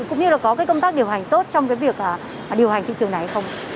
cũng như là có cái công tác điều hành tốt trong cái việc điều hành thị trường này hay không